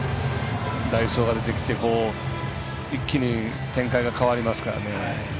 代走が出てきて、一気に展開が変わりますからね。